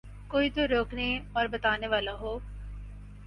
کوئی تو روکنے اور بتانے والا ہو۔